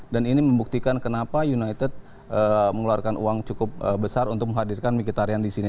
dan ini membuktikan kenapa united mengeluarkan uang cukup besar untuk menghadirkan mkhitaryan di sini